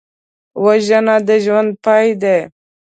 وژنه د ژوند پای دی